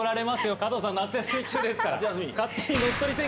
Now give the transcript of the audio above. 加藤さん夏休み中ですから。